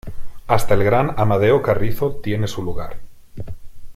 Hasta el gran Amadeo Carrizo tiene su lugar.